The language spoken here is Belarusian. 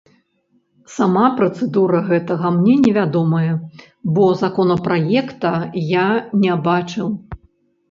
Сама працэдура гэтага мне невядомая, бо законапраекта я не бачыў.